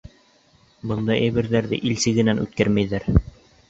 Бындай әйберҙәрҙе ил сигенән үткәрмәйҙәр.